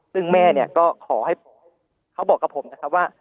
ซึ่งแม่เนี่ยก็ขอให้เขาบอกกับผมนะครับว่า